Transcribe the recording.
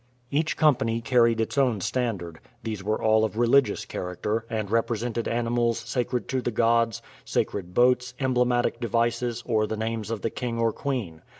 Each company carried its own standard; these were all of religious character, and represented animals sacred to the gods, sacred boats, emblematic devices, or the names of the king or queen.